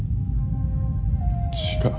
違う。